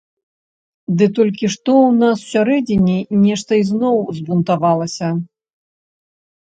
Ды толькі што ў нас усярэдзіне нешта ізноў збунтавалася.